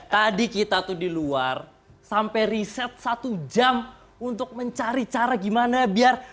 tadi kita tuh di luar sampai riset satu jam untuk mencari cara gimana biar